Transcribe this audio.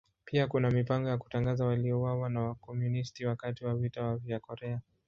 Pia kuna mipango ya kutangaza waliouawa na Wakomunisti wakati wa Vita vya Korea.